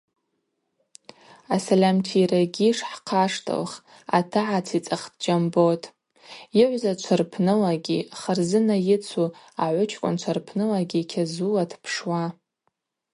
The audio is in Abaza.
Асальамтийрагьи шхӏхъаштылх,–атагӏацицӏахтӏ Джьамбот, йыгӏвзачва рпнылагьи Харзына йыцу агӏвычкӏвынчва рпнылагьи кьазула дпшуа.